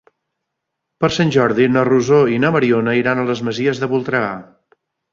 Per Sant Jordi na Rosó i na Mariona iran a les Masies de Voltregà.